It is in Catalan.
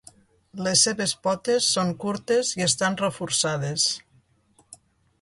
Les seves potes són curtes i estan reforçades.